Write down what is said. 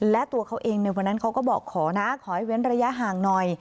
และตัวเขาเองในวันนั้นเขาก็บอกขอนะขอให้เว้นระยะห่างหน่อย